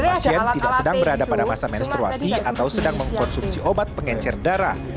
pasien tidak sedang berada pada masa menstruasi atau sedang mengkonsumsi obat pengencer darah